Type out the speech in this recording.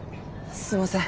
すいません。